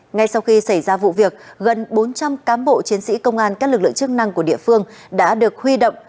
ngay sau khi xảy ra vụ việc gần bốn trăm linh cám bộ chiến sĩ công an các lực lượng chức năng của địa phương đã được huy động